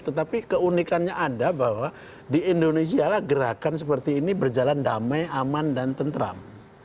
tetapi keunikannya ada bahwa di indonesia gerakan seperti ini berjalan damai aman dan tentram